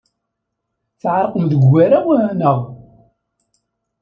Tɣerqem deg ugaraw, naɣ?